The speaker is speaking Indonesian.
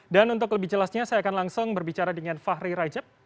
dan untuk lebih jelasnya saya akan langsung berbicara dengan fahri rajab